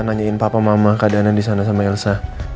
nanyain papa mama keadaan di sana sama elsa